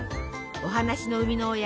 お話の生みの親